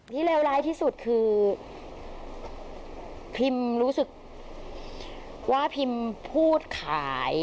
เลวร้ายที่สุดคือพิมรู้สึกว่าพิมพูดขาย